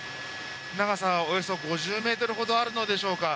長さおよそ５０ｍほどあるのでしょうか。